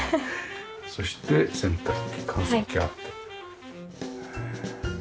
そして洗濯機乾燥機あって。